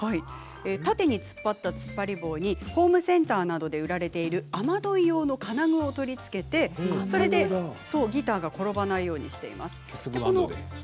縦に突っ張ったつっぱり棒にホームセンターなどで売られている雨どい用の金具を取り付けてギターが転ばないようにしています。